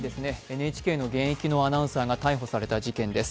ＮＨＫの現役のアナウンサーが逮捕された事件です。